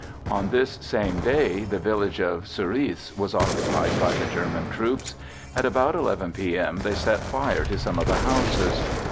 On this same day the village of Surice was occupied by the German troops. At about 11 p. m. they set fire to some of the houses.